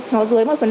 nó dưới một mươi